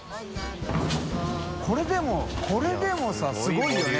海でもこれでもさすごいよね。